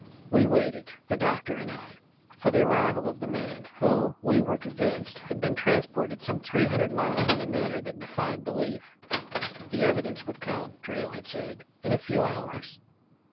"We waited, the doctor and I, for the arrival of the man who, we were convinced, had been transported some three hundred miles in a manner that defied belief. The evidence would come, Drayle had said, in a few hours.